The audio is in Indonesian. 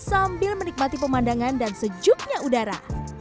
sambil menikmati pemandangan dan sejuknya udara